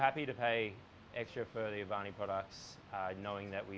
kami senang untuk membeli produk avani yang lebih luas